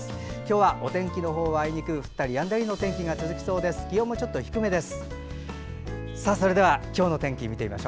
今日はお天気のほうは降ったりやんだりの天気が続きそうです。